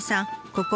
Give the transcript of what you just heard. ここ